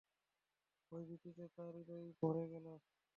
ভয়-ভীতিতে তার হৃদয় ভরে গেল।